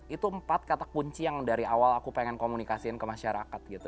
itu empat kata kunci yang dari awal aku pengen komunikasiin ke masyarakat gitu